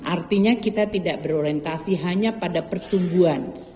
artinya kita tidak berorientasi hanya pada pertumbuhan